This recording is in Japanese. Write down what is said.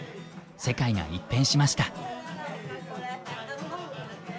世界が一変しました。